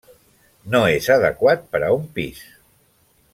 No és adequat per a un pis.